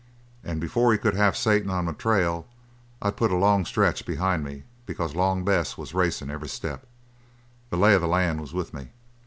And before he could have Satan on my trail I'd put a long stretch behind me because Long Bess was racin' every step. The lay of the land was with me.